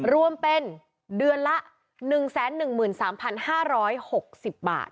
รวมเป็นเดือนละ๑๑๓๕๖๐บาท